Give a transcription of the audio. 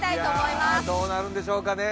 いやあどうなるんでしょうかね？